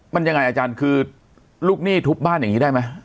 มันยังไงอาจารย์คือลูกหนี้ทุบบ้านอย่างนี้ได้ไหม